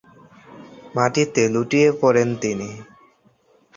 মাটিতে লুটিয়ে পড়েন তিনি।